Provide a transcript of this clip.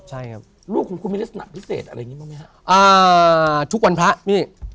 ใช่ครับลูกคุณนั่งพิเศษอะไรอย่างนี้อ่าทุกวันพระนี้